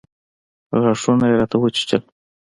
غاښونه يې راته وچيچل.